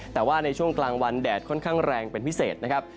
แต่ว่าในช่วงกลางวันแดดค่อนข้างแรงเป็นพิเศษนะครับ